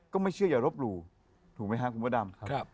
คืออย่ารบหลู่ถูกไหมครับคุณพระดำ